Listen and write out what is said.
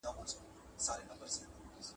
په ډېره هوسا توګه